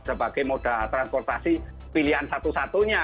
sebagai moda transportasi pilihan satu satunya